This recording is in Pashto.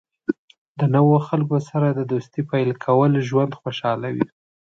د نوو خلکو سره د دوستۍ پیل کول ژوند خوشحالوي.